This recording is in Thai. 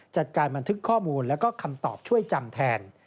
จัดการบันทึกข้อมูลแล้วก็คำตอบช่วยจำแทน